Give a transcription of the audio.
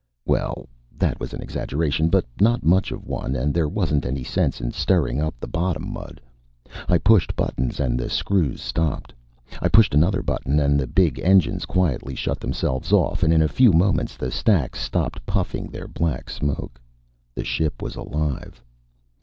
Well, that was an exaggeration, but not much of one; and there wasn't any sense in stirring up the bottom mud. I pushed buttons and the screws stopped. I pushed another button, and the big engines quietly shut themselves off, and in a few moments the stacks stopped puffing their black smoke. The ship was alive.